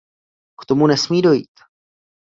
K tomu nesmí dojít!